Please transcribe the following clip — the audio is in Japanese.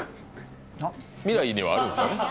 未来にはあるんですか？